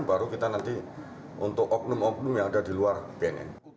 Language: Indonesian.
baru kita nanti untuk oknum oknum yang ada di luar bnn